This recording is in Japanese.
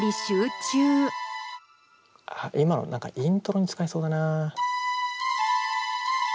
今の何かイントロに使えそうだな。